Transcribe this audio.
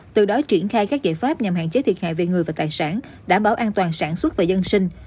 từ đó triển khai các giải pháp nhằm hạn chế thiệt hại về người và tài sản đảm bảo an toàn sản xuất và dân sinh